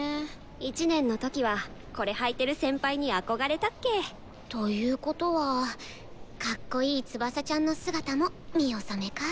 １年の時はこれはいてる先輩に憧れたっけ。ということはかっこいい翼ちゃんの姿も見納めか。